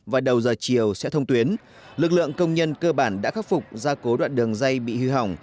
và đầu giờ chiều sẽ thông tuyến lực lượng công nhân cơ bản đã khắc phục gia cố đoạn đường dây bị hư hỏng